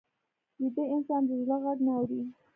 ویده انسان د زړه غږ نه اوري